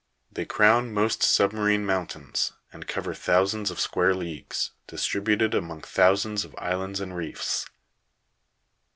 They crown most submarine mountains, and cover thousands of square leagues, distributed among thousands of islands and reefs.